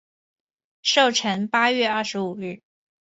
寿辰八月二十五。